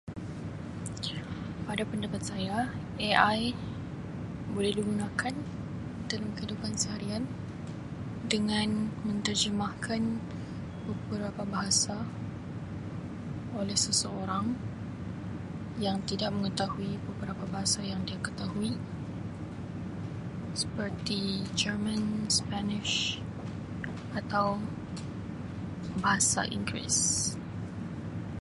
"Pada pendapat saya, AI boleh digunakan [unintelligible] kehidupan seharian dengan menterjemahkan beberapa bahasa oleh seseorang yang tidak mengetahui beberapa bahasa yang dia ketahui seperti jerman, ""spanish"" atau Bahasa Inggeris"